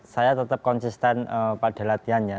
saya tetap konsisten pada latihan ya